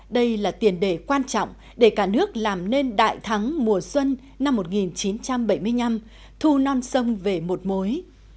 đây là tiền đề quan trọng để cả nước làm nên đại thắng mùa xuân năm một nghìn chín trăm bảy mươi năm thu non sông về một mối